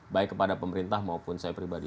baik kepada pemerintah maupun saya pribadi